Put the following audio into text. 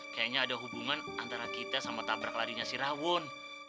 kayaknya ada hubungan antara kita sama tabrak larinya si rawon